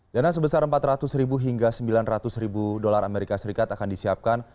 dana sebesar empat ratus ribu hingga sembilan ratus ribu dolar amerika serikat akan disiapkan